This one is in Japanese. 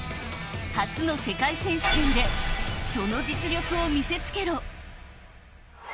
初の世界選手権でその実力を見せ付けろ。